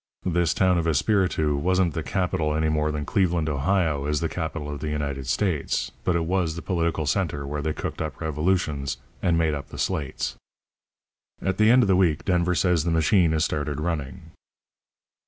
This town of Esperitu wasn't the capital any more than Cleveland, Ohio, is the capital of the United States, but it was the political centre where they cooked up revolutions, and made up the slates. "At the end of the week Denver says the machine is started running.